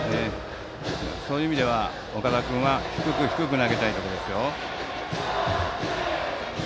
そういう意味では岡田君は低く投げたいところですよ。